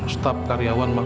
staf karyawan mak bos